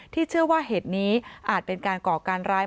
เชื่อว่าเหตุนี้อาจเป็นการก่อการร้าย